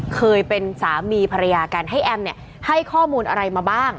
เคยเป็นสามีภรรยากันให้แอมเนี่ยให้ข้อมูลอะไรมาบ้าง